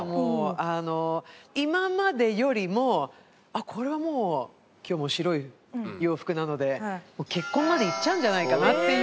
今までよりもこれはもう今日も白い洋服なので結婚までいっちゃうんじゃないかなっていうぐらい